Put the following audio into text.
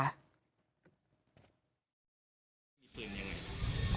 คุณมีปืนยังไง